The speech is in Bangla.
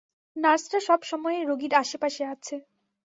নার্সরা সব সময়েই রোগীর আশেপাশেই আছে।